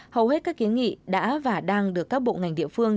hầu hết các kiến nghị đã và đang được các bộ ngành địa phương